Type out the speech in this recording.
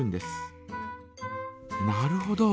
なるほど。